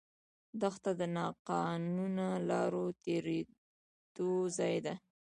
دښته د ناقانونه لارو تېرېدو ځای ده.